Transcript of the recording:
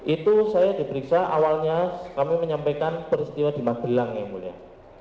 itu saya diperiksa awalnya kami menyampaikan peristiwa di magelang yang mulia